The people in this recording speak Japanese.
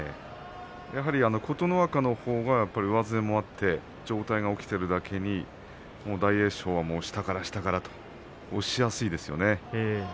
やはり琴ノ若のほうが上背があって上体が起きているだけに大栄翔は下から下からと押しやすいですよね。